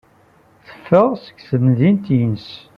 Teffeɣ seg temdint-nnes.